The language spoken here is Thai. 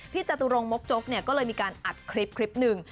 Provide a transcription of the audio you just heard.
จตุรงมกจกก็เลยมีการอัดคลิปหนึ่ง